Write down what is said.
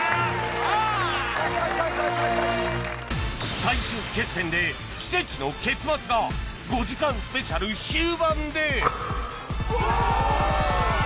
最終決戦で奇跡の結末が５時間スペシャル終盤で